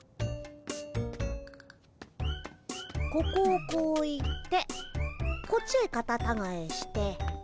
ここをこう行ってこっちへカタタガエして。